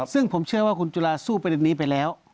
ซึ่งผมเชื่อว่าคุณจุฬาสู้ประเด็นนี้ไปแล้ว